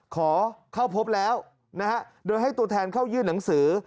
ขอเข้าพบแล้วนะฮะโดยให้ตัวแทนเข้ายื่นหนังสือ